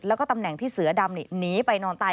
แล้วก็ตำแหน่งที่เสือดำหนีไปนอนตาย